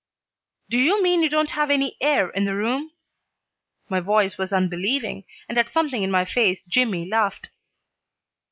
"Do you mean you don't have any air in the room?" My voice was unbelieving, and at something in my face Jimmy laughed.